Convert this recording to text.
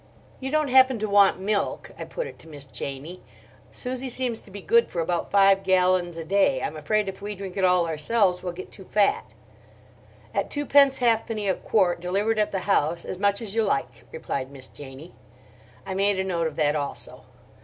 "You don't happen to want milk?" I put it to Miss Janie. "Susie seems to be good for about five gallons a day. I'm afraid if we drink it all ourselves we'll get too fat." "At twopence halfpenny a quart, delivered at the house, as much as you like," replied Miss Janie. I made a note of that also.